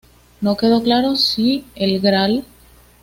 No quedó claro sí el Gral.